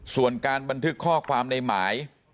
ส่วนการบันทึกข้อความในหมาย